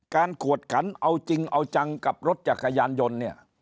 กวดขันเอาจริงเอาจังกับรถจักรยานยนต์เนี่ย